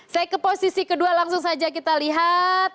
saya ke posisi kedua langsung saja kita lihat